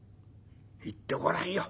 言ってごらんよ。